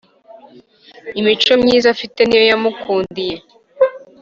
imico myiza afite niyo yamukundiye